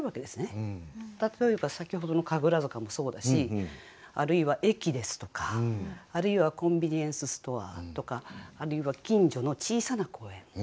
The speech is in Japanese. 例えば先ほどの「神楽坂」もそうだしあるいは駅ですとかあるいはコンビニエンスストアとかあるいは近所の小さな公園